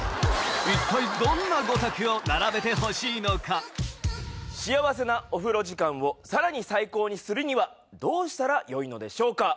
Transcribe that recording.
一体どんなゴタクを並べてほしいのか幸せなお風呂時間をさらに最高にするにはどうしたら良いのでしょうか？